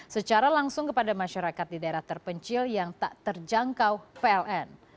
secara langsung kepada masyarakat di daerah terpencil yang tak terjangkau pln